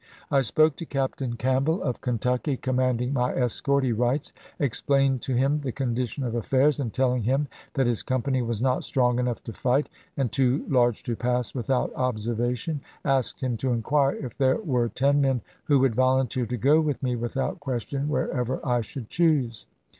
" I spoke to Captain Campbell of Ken tucky, commanding my escort," he writes, "ex plained to him the condition of affairs, and telling him that his company was not strong enough to fight, and too large to pass without observation, asked him to inquire if there were ten men who would volunteer to go with me without question wherever I should choose."